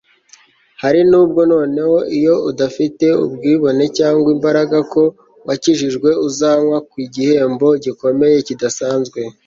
ahari ni bwo noneho, iyo udafite ubwibone cyangwa imbaraga, ko wakijijwe, uzanwa ku gihembo gikomeye kidasanzwe